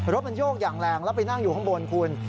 รถมันโยกอย่างแรงแล้วไปนั่งอยู่ข้างบนคุณ